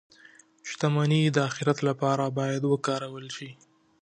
• شتمني د آخرت لپاره باید وکارول شي.